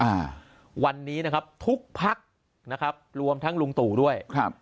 อ่าวันนี้นะครับทุกพักนะครับรวมทั้งลุงตู่ด้วยครับ